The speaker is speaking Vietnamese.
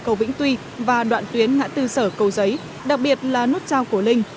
cầu vĩnh tuy và đoạn tuyến ngã tư sở cầu giấy đặc biệt là nút giao cổ linh